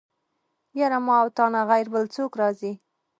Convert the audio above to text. يره ما او تانه غير بل څوک راځي.